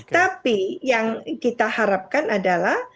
tapi yang kita harapkan adalah